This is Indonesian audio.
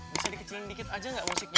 bisa dikecilin dikit aja gak musiknya